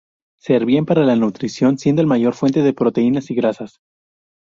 Servían para la nutrición, siendo la mayor fuente de proteínas y grasas.